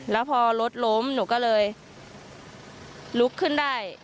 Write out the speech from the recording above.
แล้วพอรถล้มหนูก็เลยลุกขึ้นได้